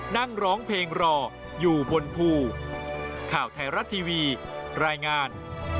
นั่งร้องเพลงรออยู่บนภูข่าวไทยรัฐทีวีรายงาน